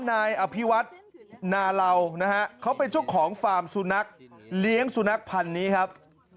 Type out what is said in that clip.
นายอภิวัตนาเหล่านะฮะเขาเป็นเจ้าของฟาร์มสุนัขเลี้ยงสุนัขพันธ์นี้ครับ